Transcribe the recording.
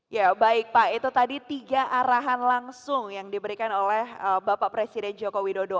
ya baik pak itu tadi tiga arahan langsung yang diberikan oleh bapak presiden joko widodo